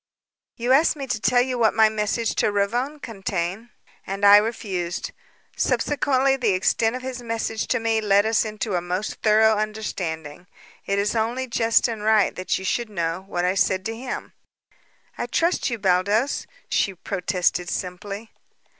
"You asked me to tell you what my message to Ravone contained and I refused. Subsequently the extent of his message to me led us into a most thorough understanding. It is only just and right that you should know what I said to him." "I trust you, Baldos," she protested simply.